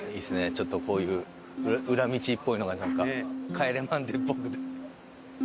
ちょっとこういう裏道っぽいのがなんか『帰れマンデー』っぽくて。